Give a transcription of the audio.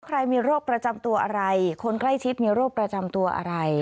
ใครมีโรคประจำตัวอะไรคนใกล้ชิดมีโรคประจำตัวอะไร